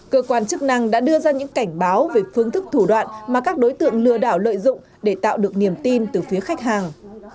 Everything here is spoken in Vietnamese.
cơ quan chức năng đã đưa ra những cảnh báo về phương thức thủ đoạn mà các đối tượng lừa đảo lợi dụng để tạo được niềm tin từ phía khách hàng